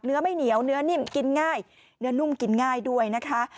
ไม่เหนียวเนื้อนิ่มกินง่ายเนื้อนุ่มกินง่ายด้วยนะคะ